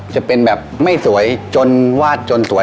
จะเป็นแบบไม่สวยจนวาดจนสวย